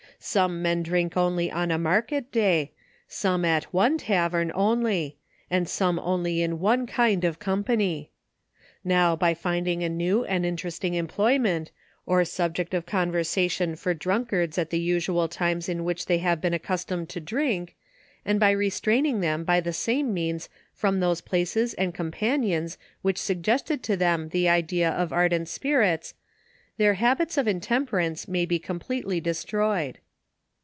— Some men drink only on a market day, some at one tavern only, and some only in one kind of company. Now by finding a new and interesting employment, or subject of conversation for drunkards at the usual times in which they have been accustomed to drink, and by restraining them by the same means from those places and compan 28 ON THE EFFECTS OE ions, which suggested to them the idea of ardent sj their habits of intemperance may be completely destroyed.